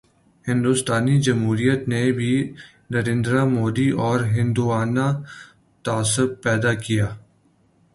ہندوستانی جمہوریت نے بھی نریندر مودی اورہندوانہ تعصب پیدا کیا۔